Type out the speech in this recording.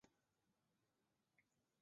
顺天府乡试第五十三名。